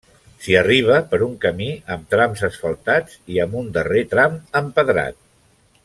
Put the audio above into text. S'hi arriba per un camí amb trams asfaltats i amb un darrer tram empedrat.